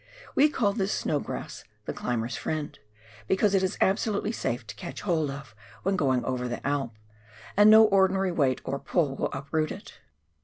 "We call this snow grass the " climbers' friend," because it is absolutely safe to catch hold of, when going over the Alp, and no ordinary weight or pull will uproot it.